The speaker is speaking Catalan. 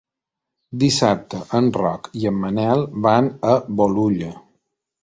Dissabte en Roc i en Manel van a Bolulla.